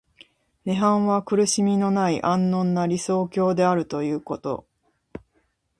涅槃は苦しみのない安穏な理想郷であるということ。